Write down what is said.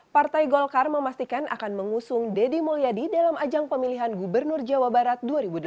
partai golkar memastikan akan mengusung deddy mulyadi dalam ajang pemilihan gubernur jawa barat dua ribu delapan belas